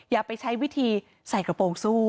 อย่าไปใช้วิธีใส่กระโปรงสู้